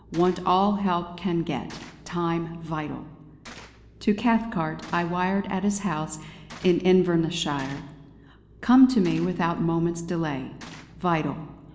Want all help can get. Time vital...." To Cathcart I wired at his house in Invernesshire: "Come to me without moment's delay. Vital.